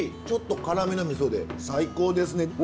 ちょっと辛めのみそで最高ですね。